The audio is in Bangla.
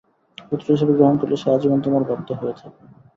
পুত্র হিসেবে গ্রহণ করলে সে আজীবন তোমার বাধ্য হয়ে থাকবে।